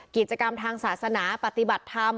กิจกรรมทางศาสนาปฏิบัติธรรม